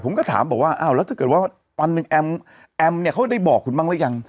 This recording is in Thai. ผมก็ถามบอกว่าอ้าวแล้วถ้าเกิดว่าวันหนึ่งแอมแอมเนี่ยเขาได้บอกคุณบ้างหรือยัง